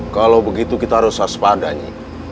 kalau begitu kita harus haspadanya